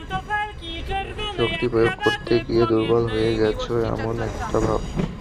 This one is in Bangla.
মনের শক্তি প্রয়োগ করতে গিয়ে দুর্বল হয়ে গেছ, এমন একটা ভাব।